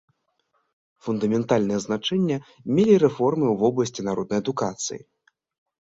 Фундаментальнае значэнне мелі рэформы ў вобласці народнай адукацыі.